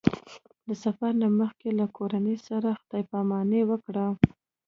د سفر نه مخکې له کورنۍ سره خدای پاماني وکړه.